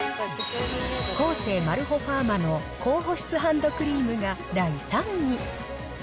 コーセーマルホファーマの高保湿ハンドクリームが第３位。